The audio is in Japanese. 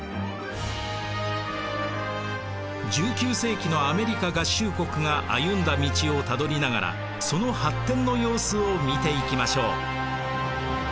１９世紀のアメリカ合衆国が歩んだ道をたどりながらその発展の様子を見ていきましょう。